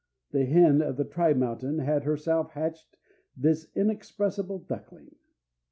The hen of the tri mountain had herself hatched this inexpressible duckling.